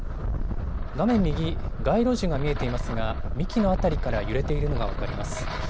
画面右、街路樹が見えていますが、幹の辺りから揺れているのが分かります。